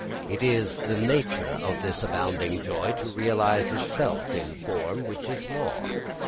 It is the nature of this abounding joy to realise itself in form which is law.